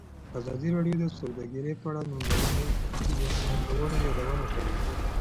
ازادي راډیو د سوداګري په اړه د ننګونو یادونه کړې.